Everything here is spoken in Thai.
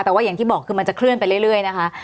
แต่ว่าอย่างที่บอกคือมันจะเคลื่อนไปเรื่อยนะคะ